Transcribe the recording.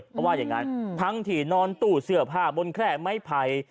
เพราะว่าอย่างนั้นทั้งที่นอนตู้เสื้อผ้าบนแคร่ไม้ไผ่